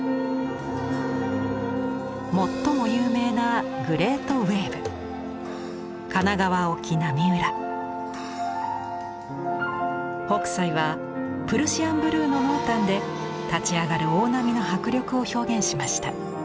最も有名なグレートウエーブ北斎はプルシアンブルーの濃淡で立ち上がる大波の迫力を表現しました。